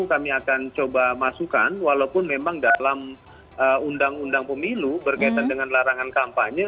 kami akan coba masukkan walaupun memang dalam undang undang pemilu berkaitan dengan larangan kampanye